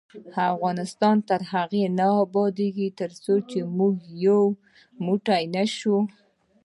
افغانستان تر هغو نه ابادیږي، ترڅو موږ ټول یو موټی نشو.